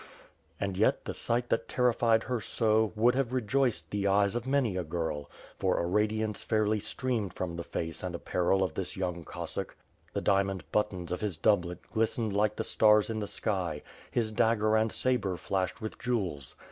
And yet, the sight that terrified her so, would have rejoiced the eyes of many a girl; for a radiance fairly streamed from the face and apparel of this young Cossack. The diamond buttons of his doublet glistened like the stars in the sky; his dagger and sabre flashed with jewels.